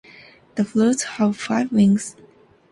The fruits have five wings.